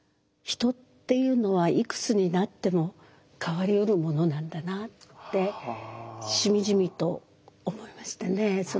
人っていうのはいくつになっても変わりうるものなんだなってしみじみと思いましたね。